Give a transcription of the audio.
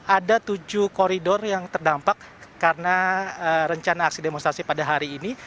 ada tujuh koridor yang terdampak karena rencana aksi demonstrasi pada hari ini